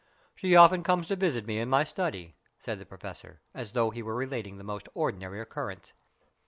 She often comes to visit me in my study," said the Professor, as though he were relating the most ordinary occurrence.